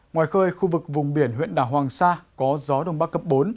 ngoài khơi khu vực vùng biển huyện đảo hoàng sa có gió đông bắc cấp bốn